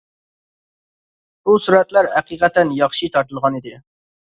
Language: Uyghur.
بۇ سۈرەتلەر ھەقىقەتەن ياخشى تارتىلغان ئىدى.